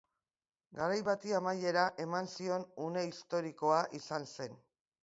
Garai bati amaiera eman zion une historikoa izan zen.